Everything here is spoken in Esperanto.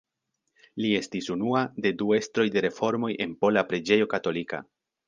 Li estis unua de du estroj de reformoj en pola preĝejo katolika.